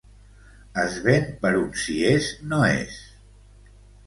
Es ven per un si és no és.